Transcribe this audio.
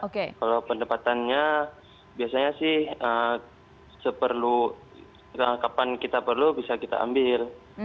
kalau pendapatannya biasanya sih seperluan kapan kita perlu bisa kita ambil